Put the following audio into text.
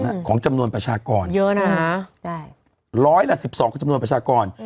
ของจำนวนประชากรเยอะนะฮะใช่ร้อยละสิบสองคือจำนวนประชากร